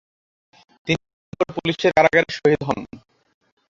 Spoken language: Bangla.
তিনি ধরা পড়ে পুলিশের কারাগারে শহীদ হন।